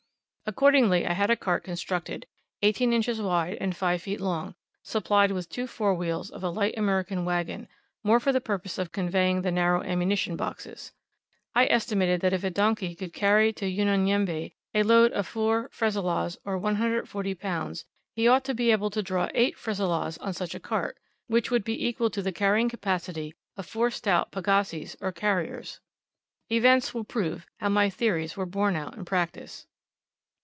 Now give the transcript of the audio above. Accordingly I had a cart constructed, eighteen inches wide and five feet long, supplied with two fore wheels of a light American wagon, more for the purpose of conveying the narrow ammunition boxes. I estimated that if a donkey could carry to Unyanyembe a load of four frasilahs, or 140 lbs., he ought to be able to draw eight frasilahs on such a cart, which would be equal to the carrying capacity of four stout pagazis or carriers. Events will prove, how my theories were borne out by practice.